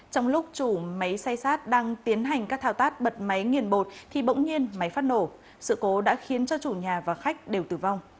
trong lúc chủ máy xay sát đang tiến hành các thao tác bật máy nghiền bột thì bỗng nhiên máy phát nổ sự cố đã khiến cho chủ nhà và khách đều tử vong